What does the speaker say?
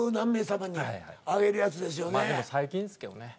まあでも最近ですけどね。